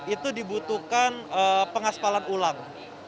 itu dibutuhkan pengaspalan ulang